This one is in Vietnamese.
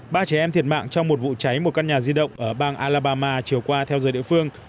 ba trẻ em thiệt mạng trong một vụ cháy một căn nhà di động ở bang alabama chiều qua theo giờ địa phương